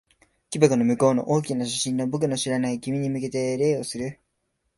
木箱の向こうの大きな写真の、僕の知らない君に向けて礼をする。